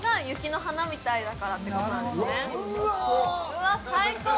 うわっ最高！